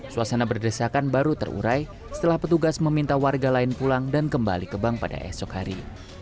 suasana berdesakan baru terurai setelah petugas meminta warga lain pulang dan kembali ke bank pada esok hari